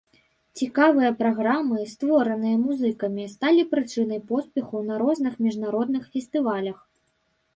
Цікавыя праграмы, створаныя музыкамі, сталі прычынай поспеху на розных міжнародных фестывалях.